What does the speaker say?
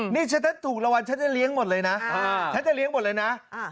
นี่ถูกรางวัลฉันจะเลี้ยงหมดเลยนะ